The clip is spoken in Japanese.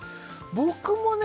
僕もね